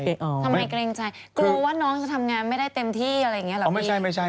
ทำไมเกรงใจกลัวว่าน้องจะทำงานไม่ได้เต็มที่อะไรอย่างนี้เหรอ